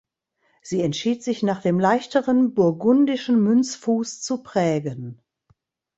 Sie entschied sich nach dem leichteren burgundischen Münzfuß zu prägen.